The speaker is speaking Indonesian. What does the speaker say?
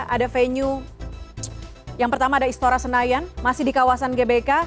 ada venue yang pertama ada istora senayan masih di kawasan gbk